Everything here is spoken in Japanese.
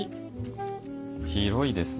広いですね。